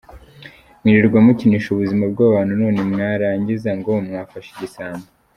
Mwirirwa mukinisha ubuzima bwabantu none mwarangiza ngo mwafashe igisambo! .